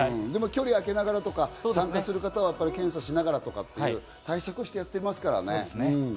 距離開けながらとか、参加する方は検査しながらとかっていう対策をしてやってますからね。